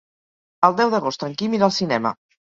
El deu d'agost en Quim irà al cinema.